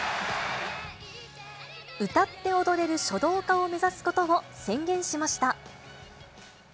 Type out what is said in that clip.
歌って踊れる書道家を目指すことを宣言しました。